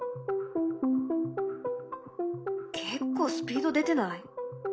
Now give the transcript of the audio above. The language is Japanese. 結構スピード出てない？